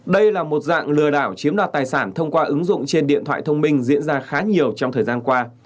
đây là một dạng lừa đảo chiếm đoạt tài sản thông qua ứng dụng trên điện thoại thông minh diễn ra khá nhiều trong thời gian qua